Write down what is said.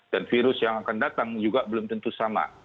dan virus yang akan datang juga belum tentu sama